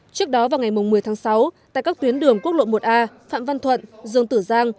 trước đó vào ngày một mươi tháng sáu tại các tuyến đường quốc lộ một a phạm văn thuận dương tử giang